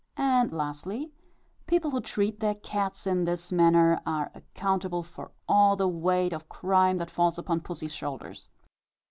And lastly, people who treat their cats in this manner, are accountable, for all the weight of crime, that falls upon pussy's shoulders.